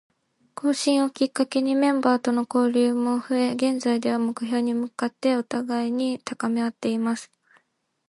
更新をきっかけにメンバーとの交流も増え、現在では、目標に向かって互いに高めあっています。